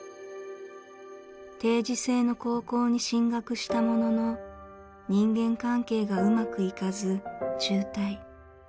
定時制の高校に進学したものの人間関係がうまくいかず中退。